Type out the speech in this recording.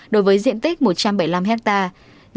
đối với diện tích một trăm bảy mươi năm hectare